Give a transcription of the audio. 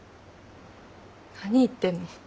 何言ってんの。